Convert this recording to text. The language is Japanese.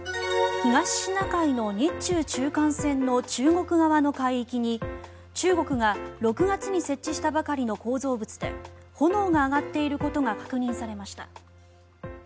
東シナ海の日中中間線の中国側の海域に中国が６月に設置したばかりの構造物で炎が上がっていることが確認されました。